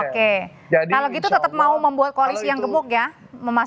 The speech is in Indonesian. kalau gitu tetap mau membuat koalisi yang gemuk ya